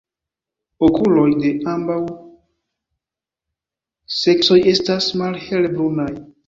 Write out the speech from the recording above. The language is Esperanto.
Okuloj de ambaŭ seksoj estas malhele brunaj.